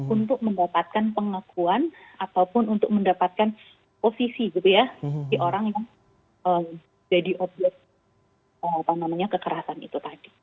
untuk mendapatkan pengakuan ataupun untuk mendapatkan posisi gitu ya di orang yang jadi objek kekerasan itu tadi